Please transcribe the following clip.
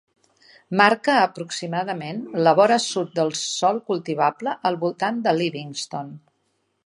Marca aproximadament la vora sud del sòl cultivable al voltant de Livingston.